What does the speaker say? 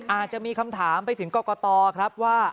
อาจจะมีคำถามไปถึงกรกตครับว่า